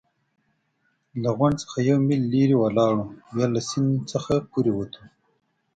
له غونډ څخه یو میل لرې ولاړو، بیا له سیند نه پورې ووتو.